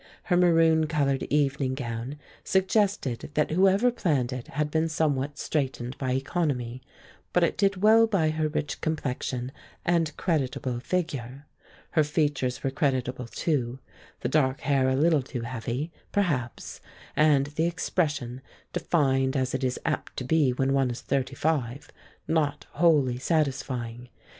Her maroon colored evening gown suggested that whoever planned it had been somewhat straitened by economy, but it did well by her rich complexion and creditable figure. Her features were creditable too, the dark hair a little too heavy, perhaps, and the expression, defined as it is apt to be when one is thirty five, not wholly satisfying.